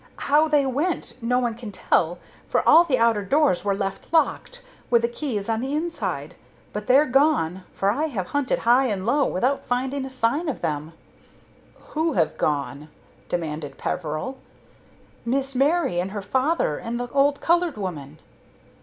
How they went, no one can tell, for all the outer doors were left locked, with the keys on the inside. But they're gone, for I have hunted high and low without finding a sign of them." "Who have gone?" demanded Peveril. "Miss Mary and her father and the old colored woman."